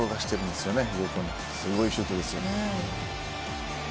すごいシュートですよね。